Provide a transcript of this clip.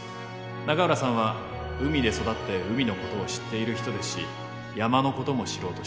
永浦さんは海で育って海のことを知っている人ですし山のことも知ろうとしている。